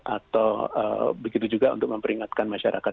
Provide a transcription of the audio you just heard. atau begitu juga untuk memperingatkan masyarakat